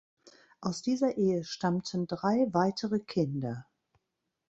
Aus dieser Ehe stammten drei weitere Kinder.